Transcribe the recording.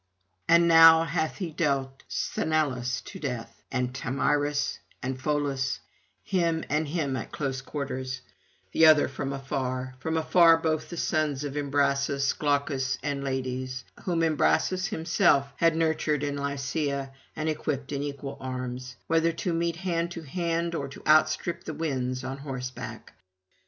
And now hath he dealt Sthenelus to death, and Thamyrus and Pholus, him and him at close quarters, the other from afar; from afar both the sons of Imbrasus, Glaucus and Lades, whom Imbrasus himself had nurtured in Lycia and equipped in equal arms, whether to meet hand to hand or to outstrip the winds on horseback.